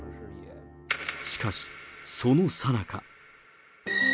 しかし、そのさなか。